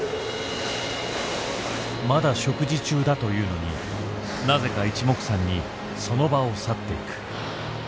まだ食事中だというのになぜかいちもくさんにその場を去っていく。